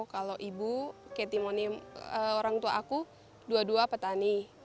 kalau ibu ketimoni orang tua aku dua dua petani